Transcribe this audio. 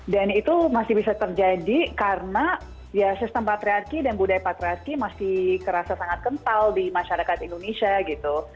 dan itu masih bisa terjadi karena ya sistem patriarki dan budaya patriarki masih kerasa sangat kental di masyarakat indonesia gitu